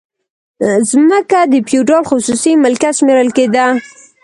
ځمکه د فیوډال خصوصي ملکیت شمیرل کیده.